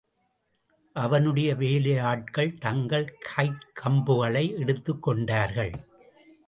அவனுடைய வேலையாட்கள் தங்கள் கைக் கம்புகளை எடுத்துக்கொண்டார்கள்.